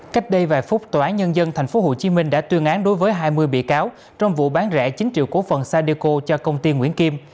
cách đây vài phút tòa án nhân dân tp hcm đã tuyên án đối với hai mươi bị cáo trong vụ bán rẻ chín triệu cổ phần sadeco cho công ty nguyễn kim